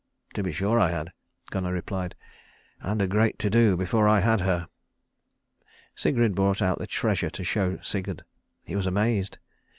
"To be sure I had," Gunnar replied, "and a great to do before I had her." Sigrid brought out the treasure to show to Sigurd. He was amazed.